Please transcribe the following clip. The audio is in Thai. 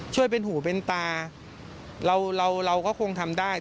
ช่วยเป็นหูเป็นตาเราเราก็คงทำได้